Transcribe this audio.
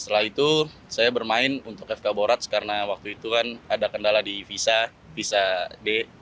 setelah itu saya bermain untuk fk boracs karena waktu itu kan ada kendala di visa visa d